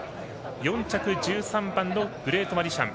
４着、１３番グレートマジシャン。